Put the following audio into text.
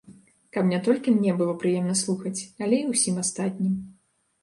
Каб не толькі мне было прыемна слухаць, але і ўсім астатнім.